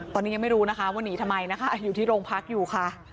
ตอนนี้ยังไม่รู้นะคะว่าหนีทำไมนะคะอยู่ที่โรงพักอยู่ค่ะ